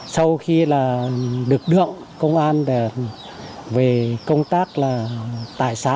sau khi được đượng công an về công tác là